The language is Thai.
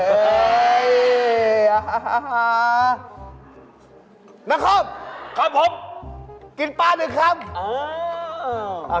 น้ำคอมครับผมกินปลาหนึ่งคำ